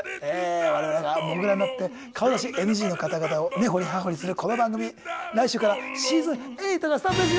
我々がモグラになって顔出しＮＧの方々をねほりはほりするこの番組来週からシーズン８がスタートです。